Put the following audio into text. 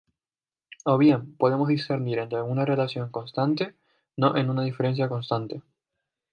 O bien, podemos discernir entre alguna relación constante, no en una diferencia constante.